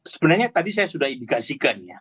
sebenarnya tadi saya sudah indikasikan ya